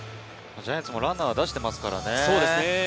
ジャイアンツもランナーは出してますからね。